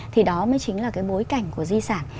thì đó mới chính là cái bối cảnh của di sản